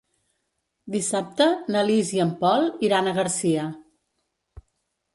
Dissabte na Lis i en Pol iran a Garcia.